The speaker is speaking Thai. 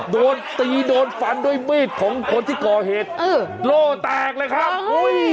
โดนตีโดนฟันด้วยมีดของคนที่ก่อเหตุเออโล่แตกเลยครับอุ้ย